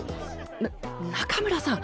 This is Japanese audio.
な中村さん。